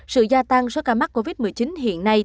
sự gia tăng số ca mắc covid một mươi chín hiện nay